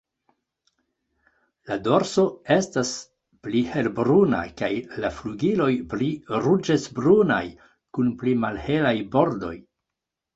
La dorso estas pli helbruna kaj la flugiloj pli ruĝecbrunaj kun pli malhelaj bordoj.